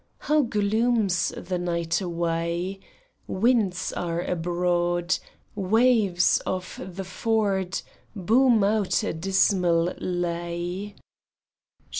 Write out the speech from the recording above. How glooms the night away ! Winds are abroad; Waves of the ford Bocm out a dismal lay.